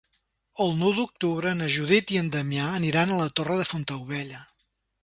El nou d'octubre na Judit i en Damià aniran a la Torre de Fontaubella.